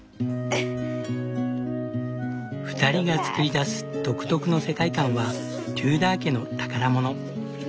２人がつくり出す独特の世界観はテューダー家の宝物。